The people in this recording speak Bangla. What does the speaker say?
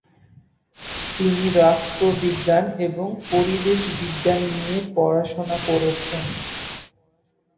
তিনি রাষ্ট্রবিজ্ঞান এবং পরিবেশ বিজ্ঞান নিয়ে পড়াশোনা করেছেন।